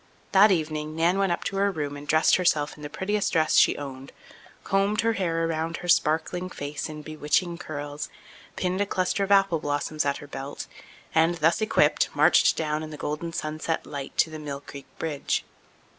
That evening Nan went up to her room and dressed herself in the prettiest dress she owned, combed her hair around her sparkling face in bewitching curls, pinned a cluster of apple blossoms at her belt, and, thus equipped, marched down in the golden sunset light to the Mill Creek Bridge.